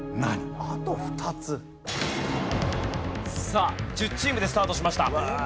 さあ１０チームでスタートしました。